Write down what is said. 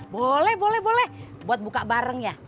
boleh boleh buat buka bareng ya